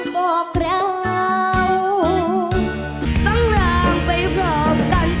บอกเรา